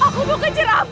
aku mau kejar afif